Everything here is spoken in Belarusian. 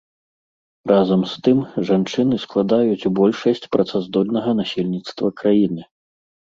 Разам з тым жанчыны складаюць большасць працаздольнага насельніцтва краіны.